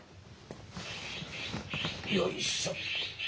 よいしょ！